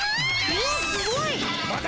うわっすごい！